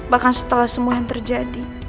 bahkan setelah semua yang terjadi